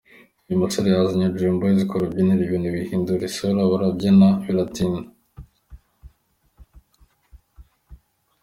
Uyu musore yasanze Dream Boys ku rubyiniro, ibintu bihindura isura barabyina biratinda.